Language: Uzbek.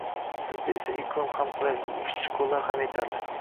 bizda esa iqlim ham qulay, ishchi qo‘llar ham yetarli.